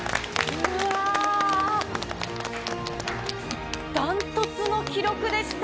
うわー、断トツの記録でした。